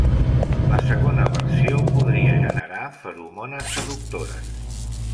La segona versió podria generar feromones seductores.